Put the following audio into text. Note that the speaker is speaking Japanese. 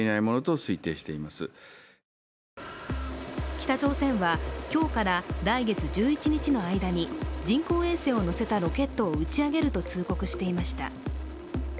北朝鮮は今日から来月１１日の間に人工衛星を載せたロケットを打ち上げると通告していました。